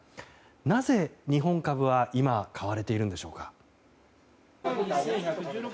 なぜ日本株は今、買われているんでしょうか。